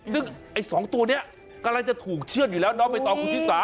ซึ่งไอ้๒ตัวนี้กำลังจะถูกเชื่อดอยู่แล้วน้องใบตองคุณชิสา